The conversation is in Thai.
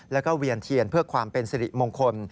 แล้วก็เวียนเทียนเพื่อความเป็นสิริมงคล